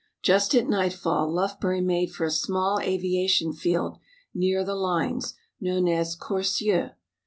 Just at nightfall Lufbery made for a small aviation field near the lines, known as Corcieux.